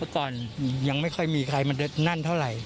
ตอนอย่างไม่ค่อยมีใครมาดึดนั้นเท่าไร